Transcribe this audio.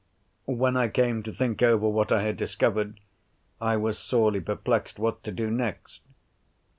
When I came to think over what I had discovered, I was sorely perplexed what to do next.